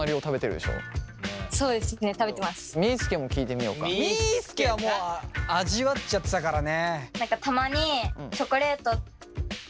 みーすけはもう味わっちゃってたからね。